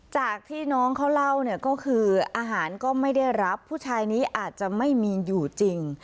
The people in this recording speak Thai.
จากที่น้องเขาเล่าเนี่ยก็คืออาหารก็ไม่ได้รับผู้ชายนี้อาจจะไม่มีอยู่จริง